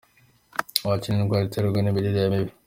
bwacyi ni indwara iterwa nimirire mibi